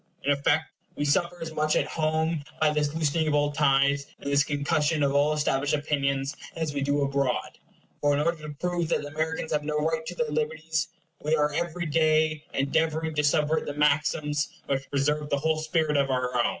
In effect we suffer as much at home by this loosening of all ties, and this concussion of all established opinions as we do abroad; for in order to prove that the Americans have no right to their liberties, we are every day endeavoring to subvert the maxims which preserve the whole spirit of our own.